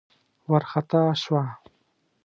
وار خطا شوه.